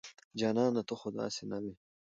جانانه ته خو داسې نه وې